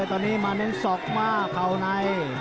ตอนนี้มาเน้นศอกมาเข่าใน